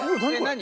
何？